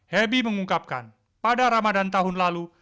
hebi mengungkapkan pada ramadan tahun lalu